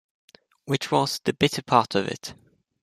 Which was the bitter part of it.